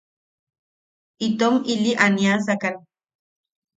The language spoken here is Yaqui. Itom ili aniasakan.